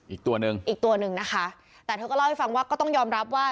อีกตัวหนึ่งอีกตัวหนึ่งนะคะแต่เธอก็เล่าให้ฟังว่าก็ต้องยอมรับว่า